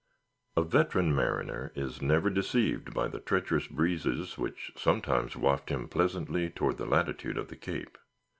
A veteran mariner is never deceived by the treacherous breezes which sometimes waft him pleasantly toward the latitude of the Cape.